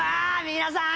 皆さん！